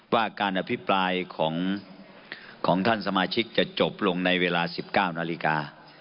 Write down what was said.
ว่าการอภิปรายของท่านสมาชิกจะจบลงในเวลา๑๙นาฬิกา